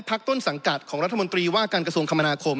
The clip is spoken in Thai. ต้นสังกัดของรัฐมนตรีว่าการกระทรวงคมนาคม